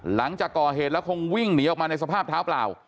หลังจากก่อเหตุแล้วคงวิ่งหนีออกมาในสภาพเท้าเปล่า